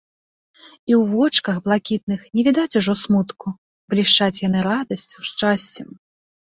І ў вочках блакітных не відаць ужо смутку, блішчаць яны радасцю, шчасцем.